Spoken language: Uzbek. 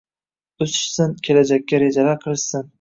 o‘sishsin, kelajakka rejalar qilishsin